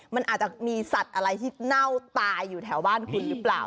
มันอาจจะมีสัตว์อะไรที่เน่าตายอยู่แถวบ้านคุณหรือเปล่า